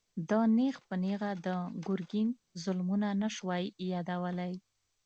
ده نېغ په نېغه د ګرګين ظلمونه نه شوای يادولای.